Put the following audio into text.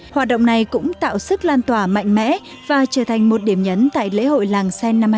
hoạt động này cũng tạo sức lan tỏa mạnh mẽ và trở thành một điểm nhấn tại lễ hội làng sen năm hai nghìn một mươi bảy